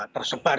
tersebar di dalam